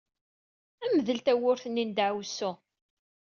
Mdel tawwurt-nni n ddeɛwessu!